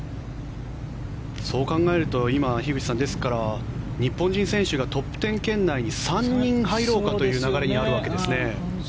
そう考えると今、日本人選手がトップ１０圏内に３人入ろうかという流れになるわけですね。